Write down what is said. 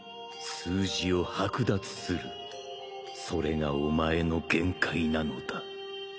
数字を剥奪するそれがお前の限界なのだ響